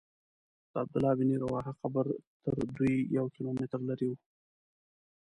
د عبدالله بن رواحه قبر تر دوی یو کیلومتر لرې و.